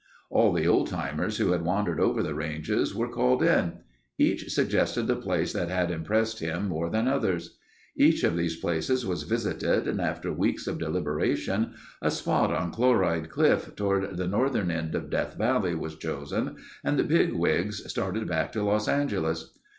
All the old timers who had wandered over the ranges were called in. Each suggested the place that had impressed him more than others. Each of these places was visited and after weeks of deliberation a spot on Chloride Cliff toward the northern end of Death Valley was chosen and the bigwigs started back to Los Angeles.